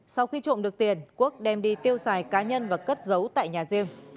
sau khi trộm được tiền quốc đem đi tiêu xài cá nhân và cất giấu tại nhà riêng